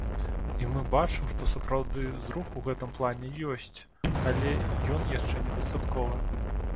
І мы бачым, што сапраўды зрух у гэтым плане ёсць, але ён яшчэ недастатковы.